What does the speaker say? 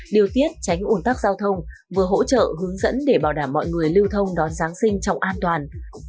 điều tiết tránh ủn tắc giao thông vừa hỗ trợ hướng dẫn để bảo đảm mọi người lưu thông đón giáng sinh trong an toàn